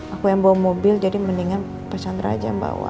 aku yang bawa mobil jadi mendingan pak chandra aja yang bawa